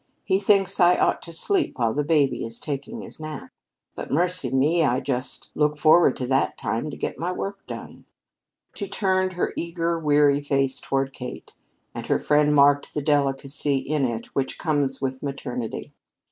He thinks I ought to sleep while the baby is taking his nap. But, mercy me, I just look forward to that time to get my work done." She turned her eager, weary face toward Kate, and her friend marked the delicacy in it which comes with maternity.